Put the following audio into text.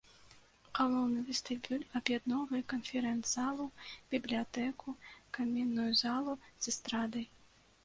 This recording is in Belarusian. Галоўны вестыбюль аб'ядноўвае канферэнц-залу, бібліятэку, камінную залу з эстрадай.